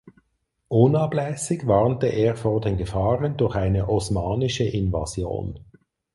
Unablässig warnte er vor den Gefahren durch eine osmanische Invasion.